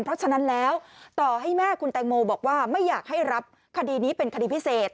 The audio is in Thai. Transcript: เพราะฉะนั้นแล้วต่อให้แม่คุณแตงโมบอกว่าไม่อยากให้รับคดีนี้เป็นคดีพิเศษ